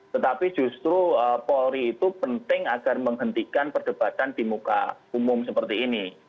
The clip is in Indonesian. tetapi justru polri itu penting agar menghentikan perdebatan di muka umum seperti ini